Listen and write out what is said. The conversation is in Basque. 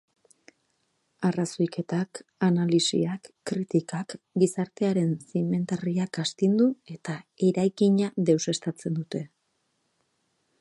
Arrazoiketak, analisiak, kritikak, gizartearen zimentarriak astindu eta eraikina deuseztatzen dute.